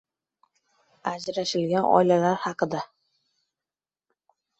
ajralishgan oilalar haqida.